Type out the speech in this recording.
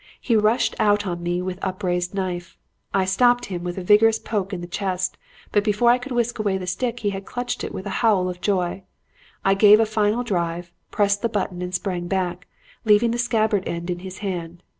He rushed out on me with upraised knife. I stopped him with a vigorous poke in the chest; but before I could whisk away the stick he had clutched it with a howl of joy. I gave a final drive, pressed the button and sprang back, leaving the scabbard end in his hand.